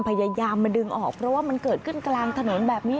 พยายามมาดึงออกเพราะว่ามันเกิดขึ้นกลางถนนแบบนี้